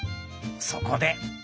そこで。